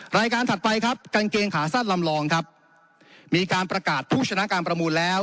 ถัดไปครับกางเกงขาสั้นลำลองครับมีการประกาศผู้ชนะการประมูลแล้ว